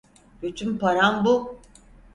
Bütün param bu.